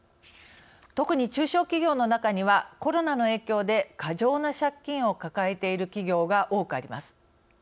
特に、中小企業の中にはコロナの影響で過剰な借金を抱えている企業が多くあります。